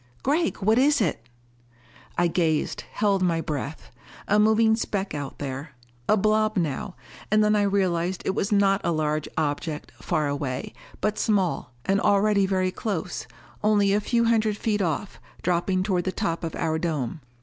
"Gregg, what is it?" I gazed, held my breath. A moving speck out there. A blob now. And then I realized it was not a large object, far away, but small, and already very close only a few hundred feet off, dropping toward the top of our dome.